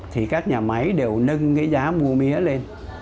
thì các nhà máy đều nâng cái giá mua mía lên